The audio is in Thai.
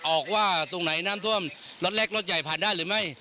ออกว่าตรงไหนน้ำท่วมรถเล็กรถใหญ่ผ่านได้หรือไม่